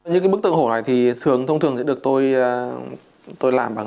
những cái bức tượng hổ này thì thường thông thường sẽ được tôi làm